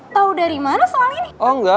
tahu dari mana soal ini